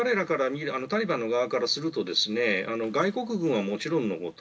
タリバンの側からすると外国軍はもちろんのこと